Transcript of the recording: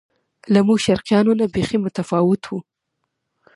له موږ شرقیانو نه بیخي متفاوت و.